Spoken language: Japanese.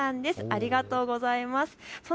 ありがとうございます。